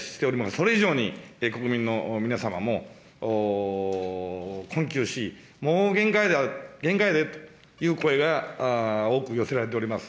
それ以上に国民の皆様も困窮し、もう限界である、限界だよという声が多く寄せられております。